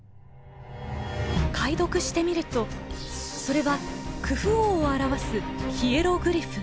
解読してみるとそれはクフ王を表すヒエログリフ。